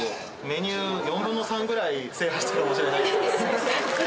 メニュー４分の３ぐらい制覇したかもしれない。